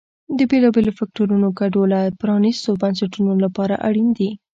د بېلابېلو فکټورونو ګډوله پرانیستو بنسټونو لپاره اړین دي.